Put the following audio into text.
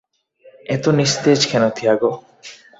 এত নিস্তেজ কেন, থিয়াগো?